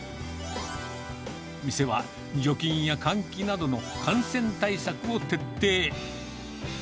店は除菌や換気などの感染対策を徹底。